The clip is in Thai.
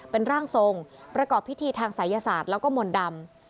เป็นร่างทรงประกอบพิธีทางศัยศาสตร์แล้วก็มนต์ดำ